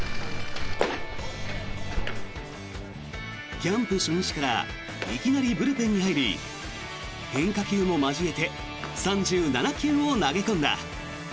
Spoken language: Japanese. キャンプ初日からいきなりブルペンに入り変化球も交えて３７球を投げ込んだ。